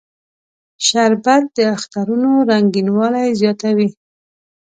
شربت د اخترونو رنگینوالی زیاتوي